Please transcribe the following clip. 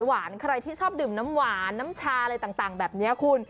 ใครที่ชอบดื่มน้ำหวานน้ำชาอะไรต่างแบบนี้คุณ